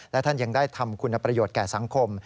และท่านยังได้ทำคุณประโยชน์แก่สังคม